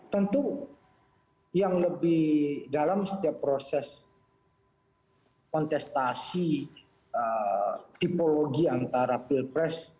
tentu yang lebih dalam setiap proses kontestasi tipologi antara pilpres